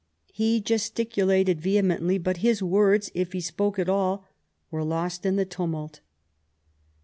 He gesticulated vehemently, but his words, if he spoke at all, were lost in the tumult.